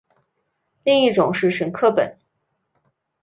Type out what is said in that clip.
另一种是沈刻本。